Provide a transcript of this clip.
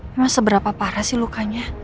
memang seberapa parah sih lukanya